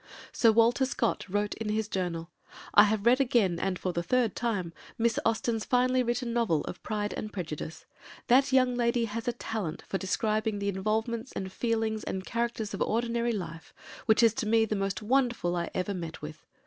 Sir Walter Scott wrote in his journal: "I have read again, and for the third time, Miss Austen's very finely written novel of Pride and Prejudice. That young lady has a talent for describing the involvements and feelings and characters of ordinary life, which is to me the most wonderful I ever met with.